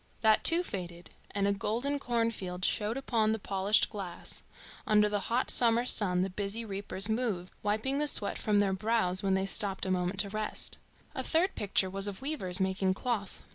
That, too, faded, and a golden cornfield showed upon the polished glass; under the hot summer sun the busy reapers moved, wiping the sweat from their brows when they stopped a moment to rest. A third picture was of weavers making cloth.